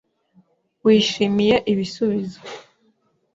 Wishimiye ibisubizo.